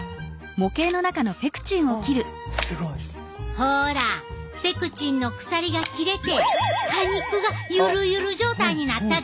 ほらペクチンの鎖が切れて果肉がゆるゆる状態になったで！